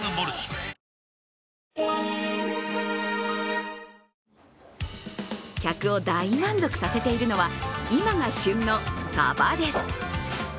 おおーーッ客を大満足させているのは今が旬のサバです。